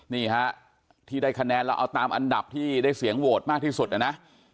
นี่ฮะที่ได้คะแนนแล้วเอาตามอันดับที่ได้เสียงโหวตมากที่สุดนะ